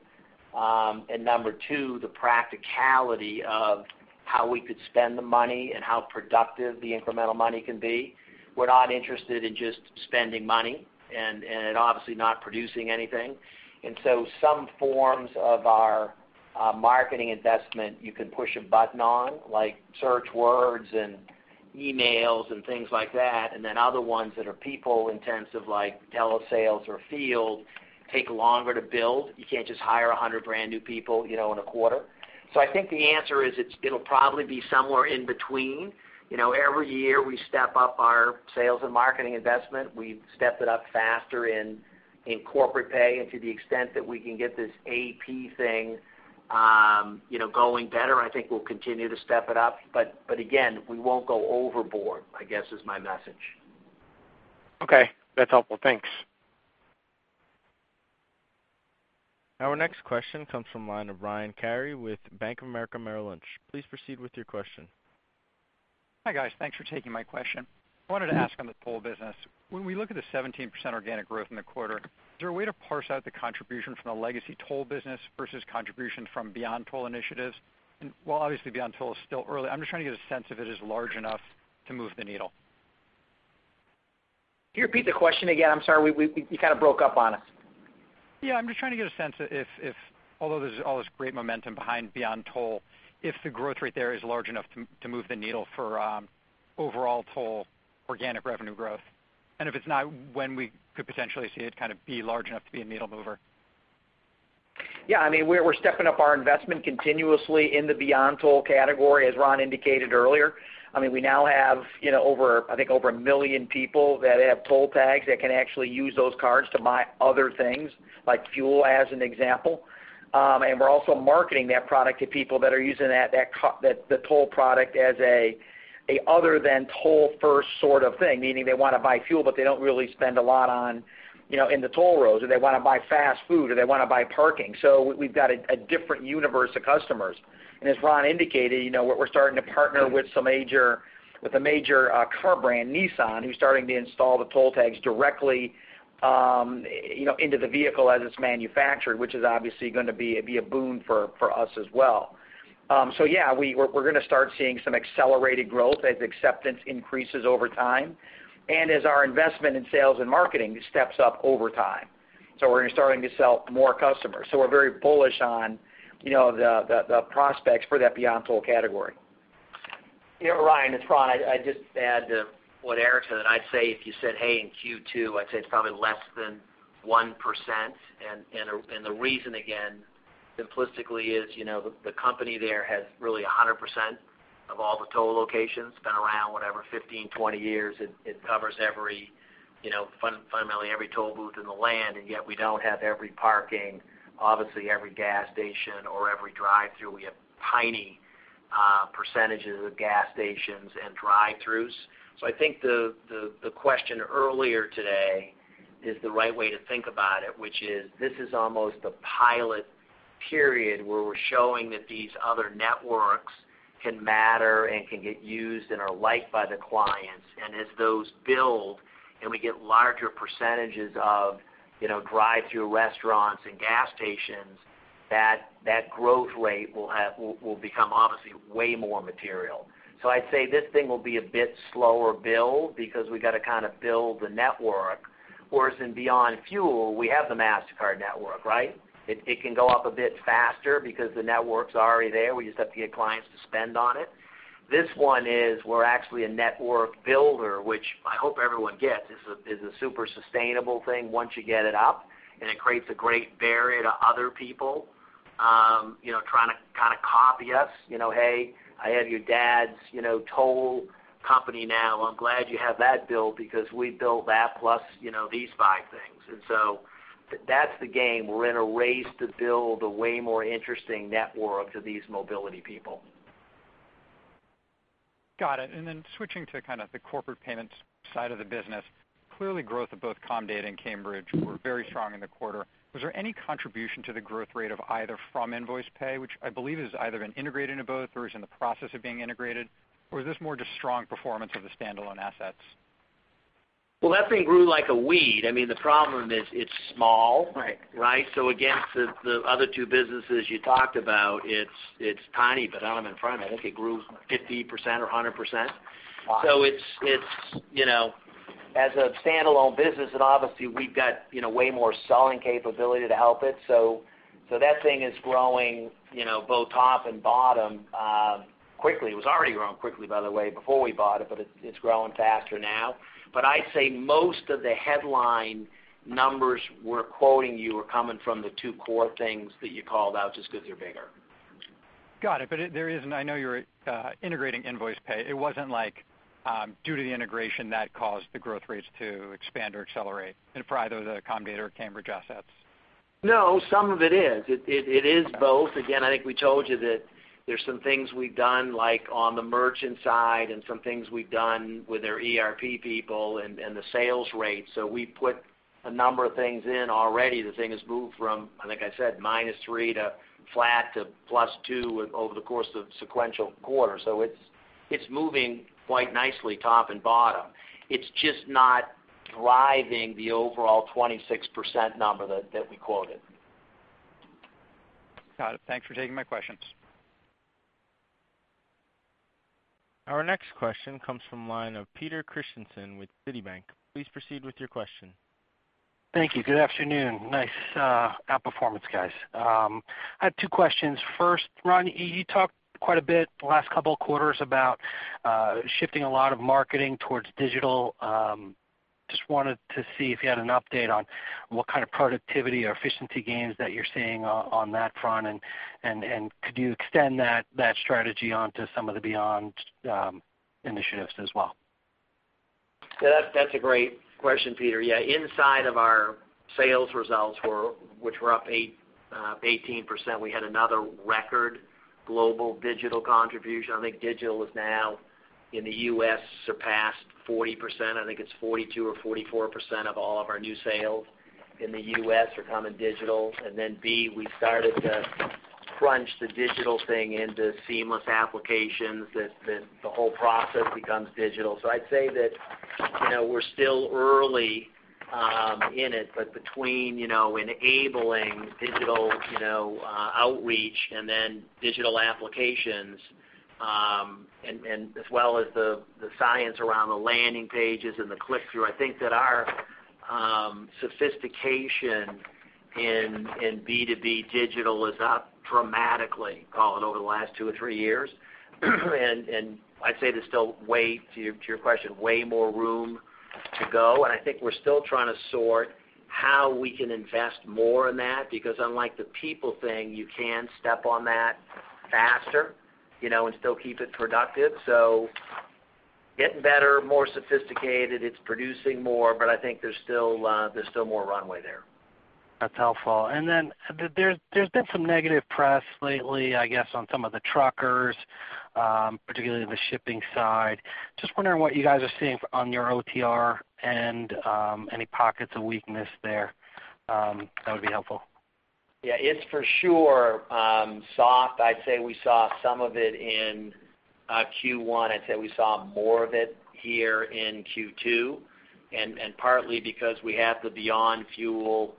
number two, the practicality of how we could spend the money and how productive the incremental money can be. We're not interested in just spending money and it obviously not producing anything. Some forms of our marketing investment, you can push a button on, like search words and emails and things like that. Other ones that are people in terms of telesales or field, take longer to build. You can't just hire 100 brand new people in a quarter. I think the answer is it'll probably be somewhere in between. Every year, we step up our sales and marketing investment. We step it up faster in Corpay, to the extent that we can get this AP thing going better, I think we'll continue to step it up. Again, we won't go overboard, I guess is my message. Okay, that's helpful. Thanks. Our next question comes from the line of Ryan Carey with Bank of America Merrill Lynch. Please proceed with your question. Hi, guys. Thanks for taking my question. I wanted to ask on the toll business, when we look at the 17% organic growth in the quarter, is there a way to parse out the contribution from the legacy toll business versus contribution from Beyond Toll initiatives? While obviously Beyond Toll is still early, I'm just trying to get a sense if it is large enough to move the needle. Can you repeat the question again? I'm sorry. You kind of broke up on us. Yeah, I'm just trying to get a sense if, although there's all this great momentum behind Beyond Toll, if the growth rate there is large enough to move the needle for overall toll organic revenue growth. If it's not, when we could potentially see it be large enough to be a needle mover. Yeah, we're stepping up our investment continuously in the Beyond Toll category, as Ron indicated earlier. We now have over 1 million people that have toll tags that can actually use those cards to buy other things, like fuel as an example. We're also marketing that product to people that are using the toll product as an other than toll first sort of thing, meaning they want to buy fuel, but they don't really spend a lot in the toll roads, or they want to buy fast food, or they want to buy parking. We've got a different universe of customers. As Ron indicated, we're starting to partner with a major car brand, Nissan, who's starting to install the toll tags directly into the vehicle as it's manufactured, which is obviously going to be a boon for us as well. Yeah, we're going to start seeing some accelerated growth as acceptance increases over time and as our investment in sales and marketing steps up over time. We're starting to sell more customers. We're very bullish on the prospects for that Beyond Toll category. Yeah, Ryan, it's Ron. I'd just add to what Eric said. I'd say if you said, hey, in Q2, I'd say it's probably less than 1%. The reason again, simplistically, is the company there has really 100% of all the toll locations. It's been around, whatever, 15, 20 years. It covers fundamentally every toll booth in the land, and yet we don't have every parking, obviously every gas station, or every drive-through. We have tiny percentages of gas stations and drive-throughs. I think the question earlier today is the right way to think about it, which is this is almost a pilot period where we're showing that these other networks can matter and can get used and are liked by the clients. As those build and we get larger percentages of drive-through restaurants and gas stations, that growth rate will become obviously way more material. I'd say this thing will be a bit slower build because we got to kind of build the network, whereas in Beyond Fuel, we have the Mastercard network, right? It can go up a bit faster because the network's already there. We just have to get clients to spend on it. This one is we're actually a network builder, which I hope everyone gets. This is a super sustainable thing once you get it up, and it creates a great barrier to other people trying to copy us. Hey, I have your dad's toll company now. I'm glad you have that built because we built that plus these five things. That's the game. We're in a race to build a way more interesting network to these mobility people. Got it. Then switching to kind of the corporate payments side of the business. Clearly, growth of both Comdata and Cambridge were very strong in the quarter. Was there any contribution to the growth rate of either from Nvoicepay, which I believe has either been integrated into both or is in the process of being integrated? Is this more just strong performance of the standalone assets? Well, that thing grew like a weed. The problem is, it's small. Right. Right? Against the other two businesses you talked about, it's tiny, but not in front of it. I think it grew 50% or 100%. As a standalone business, and obviously we've got way more selling capability to help it, that thing is growing both top and bottom quickly. It was already growing quickly, by the way, before we bought it, but it's growing faster now. I'd say most of the headline numbers we're quoting you are coming from the two core things that you called out, just because they're bigger. Got it. I know you're integrating Nvoicepay. It wasn't like, due to the integration that caused the growth rates to expand or accelerate for either the Comdata or Cambridge assets? No, some of it is. It is both. I think we told you that there's some things we've done like on the merchant side and some things we've done with their ERP people and the sales rate. We put a number of things in already. The thing has moved from, I think I said, -3 to flat to +2 over the course of sequential quarters. It's moving quite nicely top and bottom. It's just not driving the overall 26% number that we quoted. Got it. Thanks for taking my questions. Our next question comes from the line of Peter Christiansen with Citi. Please proceed with your question. Thank you. Good afternoon. Nice outperformance, guys. I have two questions. First, Ron, you talked quite a bit the last couple of quarters about shifting a lot of marketing towards digital. Just wanted to see if you had an update on what kind of productivity or efficiency gains that you're seeing on that front, and could you extend that strategy onto some of the Beyond initiatives as well? Yeah, that's a great question, Peter. Yeah, inside of our sales results, which were up 18%, we had another record global digital contribution. I think digital is now in the U.S., surpassed 40%. I think it's 42 or 44% of all of our new sales in the U.S. are coming digital. B, we started to crunch the digital thing into seamless applications that the whole process becomes digital. I'd say that we're still early in it, but between enabling digital outreach and then digital applications, as well as the science around the landing pages and the click-through, I think that our sophistication in B2B digital is up dramatically, call it over the last two or three years. I'd say there's still, to your question, way more room to go. I think we're still trying to sort how we can invest more in that, because unlike the people thing, you can step on that faster, and still keep it productive. Getting better, more sophisticated, it's producing more, but I think there's still more runway there. That's helpful. There's been some negative press lately, I guess, on some of the truckers, particularly the shipping side. I'm just wondering what you guys are seeing on your OTR and any pockets of weakness there. That would be helpful. Yeah, it's for sure soft. I'd say we saw some of it in Q1. I'd say we saw more of it here in Q2. Partly because we have the Beyond Fuel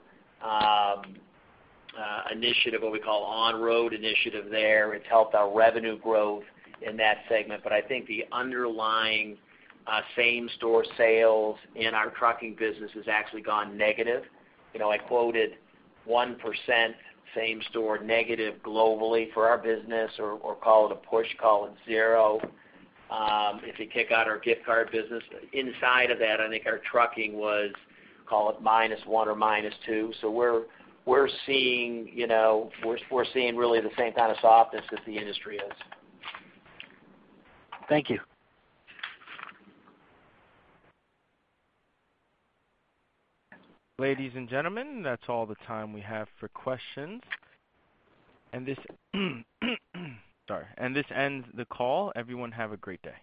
initiative, what we call Over-the-Road initiative there. It's helped our revenue growth in that segment. I think the underlying same-store sales in our trucking business has actually gone negative. I quoted 1% same-store negative globally for our business, or call it a push, call it zero if you take out our gift card business. Inside of that, I think our trucking was, call it -1 or -2. We're seeing really the same kind of softness that the industry is. Thank you. Ladies and gentlemen, that's all the time we have for questions. This ends the call. Everyone have a great day.